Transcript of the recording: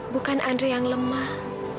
bukan andre yang lemah